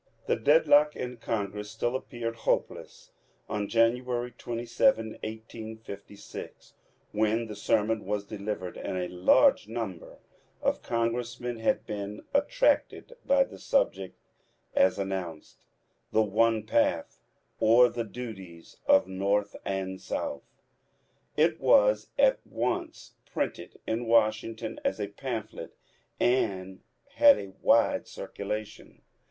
The deadlock in Congress still appeared hope less on January 27, 1856, when the sermon was delivered, and a large number of congressmen had been attracted by the subject as announced :^ The One Path ; or, the Duties of North and South.*' It was at once printed in Washington as a pamphlet and had a wide circulation.